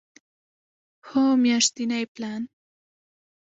هو، میاشتنی پلان